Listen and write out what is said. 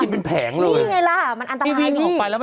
นี่ไงล่ะมันอันตรายแล้ว